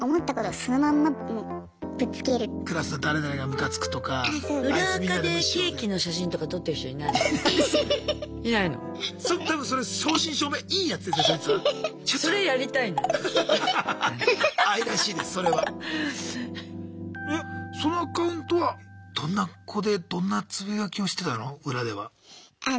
そのアカウントはどんな子でどんなつぶやきをしてたの？